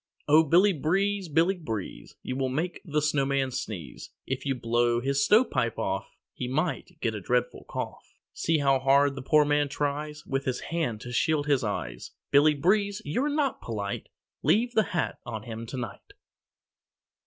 Oh, Billy Breeze, Billy Breeze, You will make the Snowman sneeze. If you blow his stovepipe off He might get a dreadful cough. See how hard the poor man tries With his hand to shield his eyes. Billy Breeze, you're not polite Leave the hat on him to night.